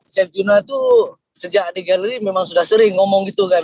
chef juna itu sejak di galeri memang sudah sering ngomong gitu kan